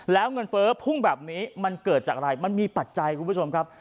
แล้วเงินเฟ้อพุ่งแบบนี้มันเกิดจากอะไรมันมีปัจจัยคุณผู้ชมครับ